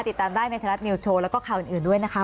ติดตามได้ในไทยรัฐนิวสโชว์แล้วก็ข่าวอื่นด้วยนะคะ